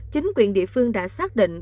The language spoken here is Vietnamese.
chính quyền địa phương đã xác định